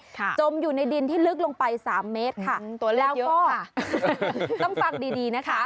ค่ะจมอยู่ในดินที่ลึกลงไปสามเมตรค่ะตัวเล็กเยอะค่ะแล้วก็ต้องฟังดีดีนะคะ